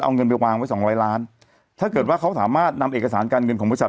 เอาเงินไปวางไว้สองร้อยล้านถ้าเกิดว่าเขาสามารถนำเอกสารการเงินของบริษัท